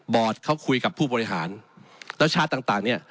บอร์ดเขาคุยกับผู้บริหารแล้วชาร์จต่างต่างเนี้ย